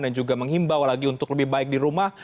dan juga menghimbau lagi untuk lebih baik di rumah